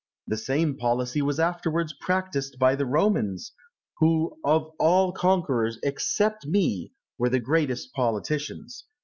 The same policy was afterwards practised by the Romans, who of all conquerors, except me, were the greatest politicians.